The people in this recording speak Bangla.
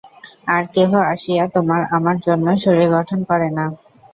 আর কেহ আসিয়া তোমার আমার জন্য শরীর গঠন করে না।